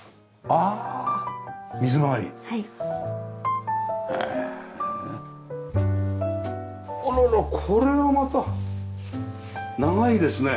あららこれはまた長いですね。